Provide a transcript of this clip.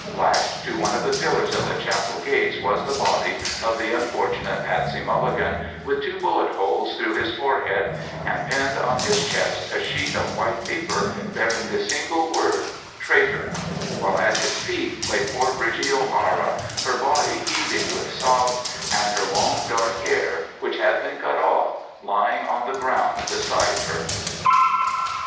Lashed to one of the pillars of the chapel gates was the body of the unfortunate Patsey Mulligan with two bullet holes through his forehead, and pinned on his chest a sheet of white paper bearing the single word TRAITOR, while at his feet lay poor Bridgie O'Hara, her body heaving with sobs, and her long dark hair, which had been cut off, lying on the ground beside her.